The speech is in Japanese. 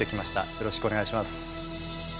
よろしくお願いします。